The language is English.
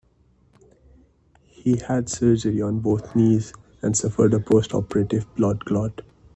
He had surgery on both knees, and suffered a post-operative blood clot.